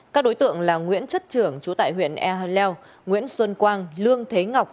các đối tượng là nguyễn chất trưởng chủ tại huyện e leo nguyễn xuân quang lương thế ngọc